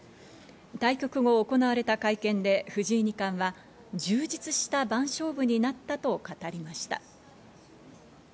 対局後、行われた会見で藤井二冠は、充実した番勝負になったと語りました。